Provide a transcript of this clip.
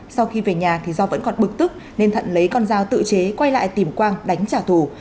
sau khi về nhà thì do vẫn còn bực tức nên thận lấy con dao tự chế quay lại tìm quang đánh trả thù